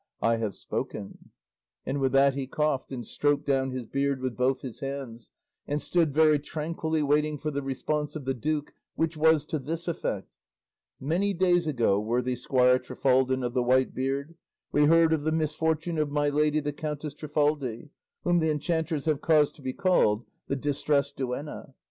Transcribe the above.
I have spoken." And with that he coughed, and stroked down his beard with both his hands, and stood very tranquilly waiting for the response of the duke, which was to this effect: "Many days ago, worthy squire Trifaldin of the White Beard, we heard of the misfortune of my lady the Countess Trifaldi, whom the enchanters have caused to be called the Distressed Duenna.